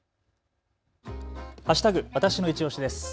わたしのいちオシです。